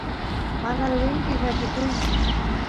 mana devenki llakikuy